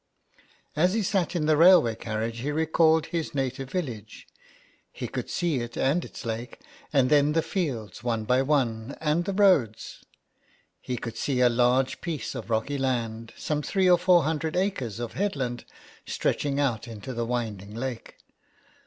As he sat in the railway carriage he recalled his native village — he could see it and its lake, and then the fields one by one, and the roads. He could see a large piece of rocky land — some three or four hundred acres of headland stretching out into the winding lake.